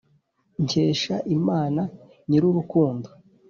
nkesha imana nyir' urukundo